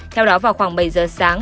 theo đó vào khoảng bảy giờ sáng